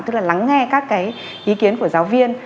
tức là lắng nghe các cái ý kiến của giáo viên